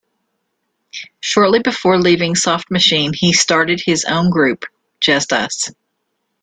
Shortly before leaving Soft Machine he started his own group, Just Us.